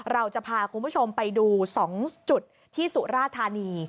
เราจะพาคุณผู้ชมไปดู๒จุดที่สุราธานี